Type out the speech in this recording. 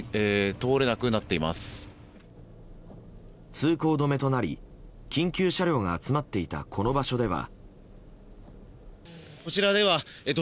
通行止めとなり緊急車両が集まっていたこの場所では。